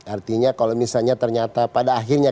artinya kalau misalnya ternyata pada akhirnya